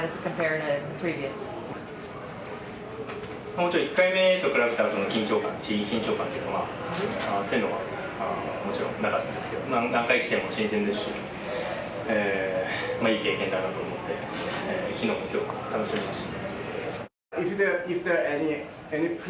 もちろん１回目と比べたら、緊張感、いい緊張感というのは、そういうのはもちろんなかったんですけど、何回来ても新鮮ですし、いい経験だなと思って、きのうもきょうも楽しみました。